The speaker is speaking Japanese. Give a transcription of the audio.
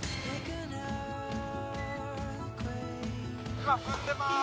今踏んでます！